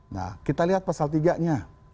nah kita lihat pasal tiga nya